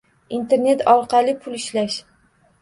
Internet orqali pul ishlash